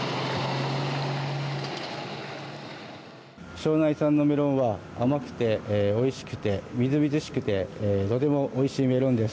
庄内産のメロンは甘くて、おいしくてみずみずしくてとてもおいしいメロンです。